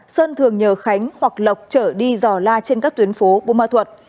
sơn thường nhờ khánh hoặc lộc chở đi dò la trên các tuyến phố bôn ma thuật